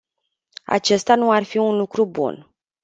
Acesta nu ar fi un lucru bun.